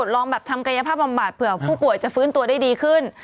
ลองแบบทำกายภาพบำบัดเผื่อผู้ป่วยจะฟื้นตัวได้ดีขึ้น